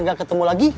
nggak ketemu lagi